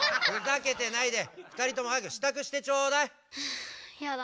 ふざけてないでふたりともはやくしたくしてちょうだい。